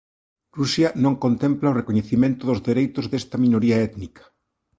Rusia non contempla o recoñecemento dos dereitos desta minoría étnica.